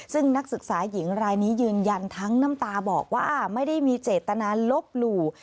ซึ่งนักศึกษาหญิงรายนี้ยืนยันทั้งน้ำตาบอกว่าไม่ได้มีเจตนาลบหลู่